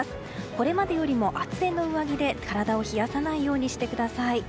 これまでよりも厚手の上着で体を冷やさないようにしてください。